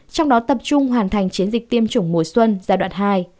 trong đó tập trung hoàn thành chiến dịch tiêm chủng mùa xuân giai đoạn hai